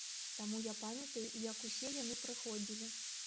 Таму я памятаю, як усе яны прыходзілі.